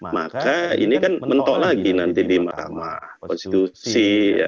maka ini kan mentok lagi nanti di mahkamah konstitusi